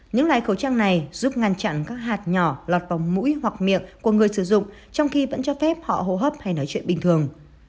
những loại khẩu trang này giúp ngăn chặn các hạt nhỏ lọt vào mũi hoặc miệng của người sử dụng trong khi vẫn cho phép họ hô hấp hay nói chuyện bình thường